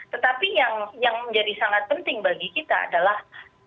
tetapi yang menjadi sangat penting bagi kita adalah